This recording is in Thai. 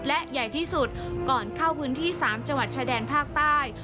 และใหญ่ที่สุดก่อนเข้าพื้นที่๓จังหวัดชายแดนภาคใต้